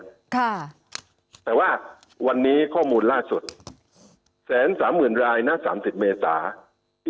ค่ะแต่ว่าวันนี้ข้อมูลล่าสุดแสนสามหมื่นรายนะ๓๐เมษา